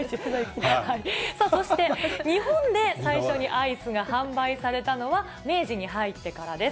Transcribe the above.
そして、日本で最初にアイスが販売されたのは、明治に入ってからです。